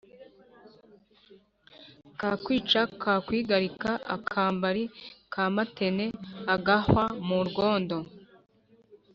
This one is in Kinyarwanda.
Kakwica kakwigarika akambari ka Matene.-Agahwa mu rwondo.